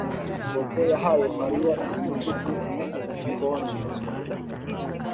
Bobo yahaye Mariya igitugu gikonje